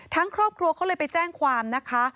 ครอบครัวเขาเลยไปแจ้งความนะคะ